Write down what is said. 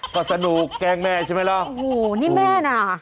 ก็สนุกแกล้งแม่ใช่ไหมล่ะโอ้โหนี่แม่น่ะ